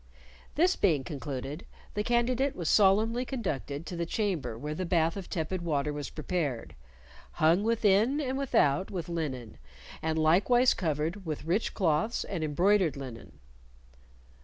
This being concluded, the candidate was solemnly conducted to the chamber where the bath of tepid water was prepared, "hung within and without with linen, and likewise covered with rich cloths and embroidered linen."